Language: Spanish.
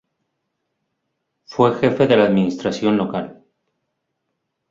Fue Jefe de la Administración Local.